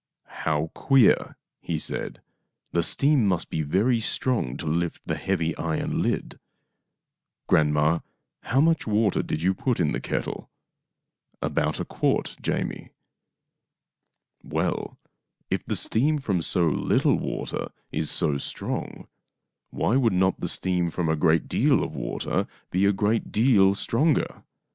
" How queer !" he said. " The steam must be very strong to lift the heavy iron lid. Grandma, how much water did you put into the kettle?" 52 THIRTY MORE FAMOUS STORIES " About a quart, Jamie." " Well, if the steam from so little water is so strong, why would not the steam from a great deal of water be a great deal stronger?